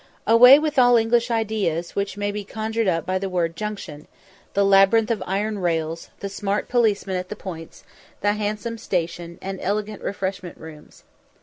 Away with all English ideas which may be conjured up by the word junction the labyrinth of iron rails, the smart policeman at the points, the handsome station, and elegant refreshment rooms.